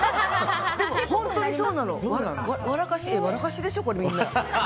でも本当にそうなの。笑かしでしょ、これみんな。